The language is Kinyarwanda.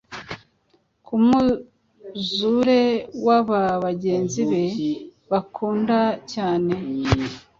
Kumwuzure wububagenzi be bakunda cyane